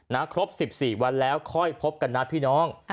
ครบ๑๔วันแล้วค่อยพบกันนะพี่น้อง